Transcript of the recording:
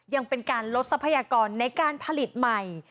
ยังเป็นการลดทรัพยากรในการผลิตใหม่